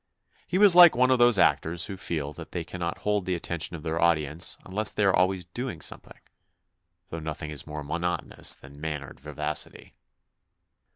He was like one of those actors who feel that they cannot hold the attention of their audience unless they are always doing something, though nothing is more monotonous than mannered vivacity.